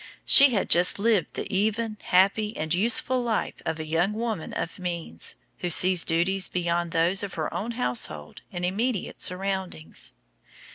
She had just lived the even, happy and useful life of a young woman of means, who sees duties beyond those of her own household and immediate surroundings.